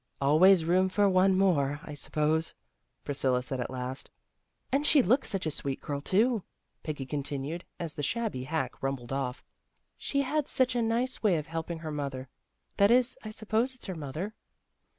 " Al ways room for one more, I suppose," Priscilla said at last. " And she looks like such a sweet girl, too," Peggy continued, as the shabby hack rumbled off. " She had such a nice way of helping her mother that is, I suppose it's her mother."